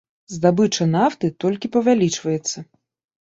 Здабыча нафты толькі павялічваецца.